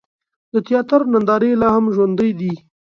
د تیاتر نندارې لا هم ژوندۍ دي.